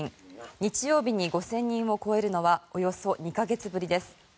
日曜日に５０００人を超えるのはおよそ２か月ぶりです。